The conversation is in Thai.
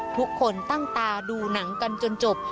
ทุกคนตั้งตาดูหนังกันจนจบ